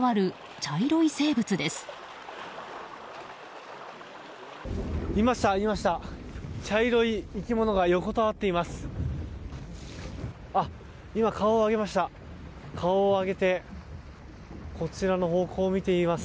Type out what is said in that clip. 茶色い生き物が横たわっています。